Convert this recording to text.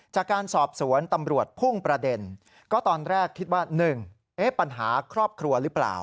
จากการสอบสวนตำรวจพุ่งประเด็นก็ตอนแรกคิดว่า๑ปัญหาครอบครัวหรือเปล่า